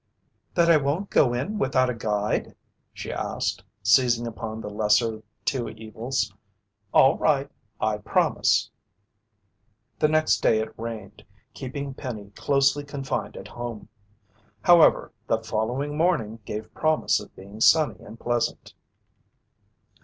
"That I won't go in without a guide?" she asked, seizing upon the lesser of two evils. "All right, I promise." The next day it rained, keeping Penny closely confined at home. However, the following morning gave promise of being sunny and pleasant.